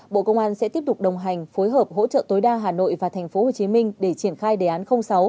bộ công an sẽ tiếp tục đồng hành phối hợp hỗ trợ tối đa hà nội và tp hcm để triển khai đề án sáu